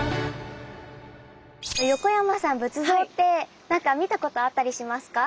横山さんは仏像って何か見たことあったりしますか？